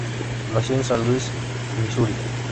Nació en San Luis, Misuri.